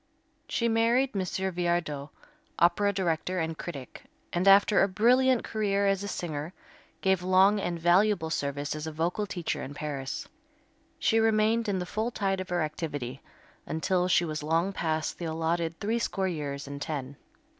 She married M. Viardot, opera director and critic, and after a brilliant career as a singer, gave long and valuable service as a vocal teacher in Paris. She remained in the full tide of her activity until she was long past the allotted threescore years and ten.